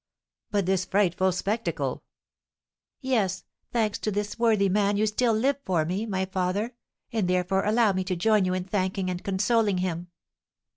"But this frightful spectacle?" "Yes, thanks to this worthy man, you still live for me, my father, and therefore allow me to join you in thanking and consoling him."